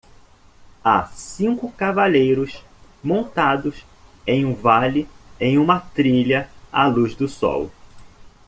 Há cinco cavaleiros montados em um vale em uma trilha à luz do sol